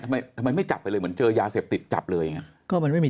ทำไมทำไมไม่จับไปเลยเหมือนเจอยาเสพติดจับเลยอย่างนี้